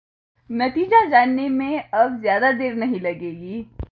नतीजा जानने में अब ज़्यादा देर नहीं लगेगी।